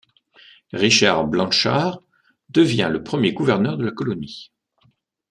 Richard Blanshard devient le premier gouverneur de la colonie.